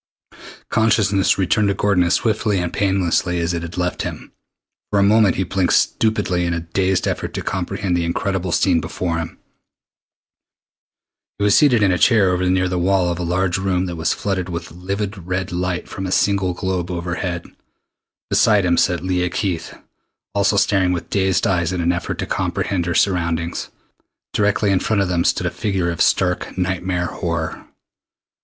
Consciousness returned to Gordon as swiftly and painlessly as it had left him. For a moment he blinked stupidly in a dazed effort to comprehend the incredible scene before him. He was seated in a chair over near the wall of a large room that was flooded with livid red light from a single globe overhead. Beside him sat Leah Keith, also staring with dazed eyes in an effort to comprehend her surroundings. Directly in front of them stood a figure of stark nightmare horror.